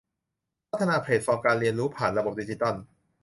พัฒนาแพลตฟอร์มการเรียนรู้ผ่านระบบดิจิทัล